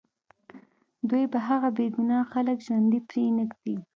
دوی به هغه بې ګناه خلک ژوندي پرېنږدي